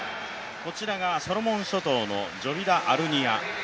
こちらがソロモン諸島のジョビタ・アルニア。